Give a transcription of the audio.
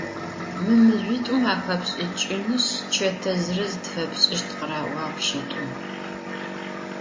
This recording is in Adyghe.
«Mı mızjüit'um axepş'ıç'ınışs çete zırız tfepş'ışt», - khırı'uağ pşit'um.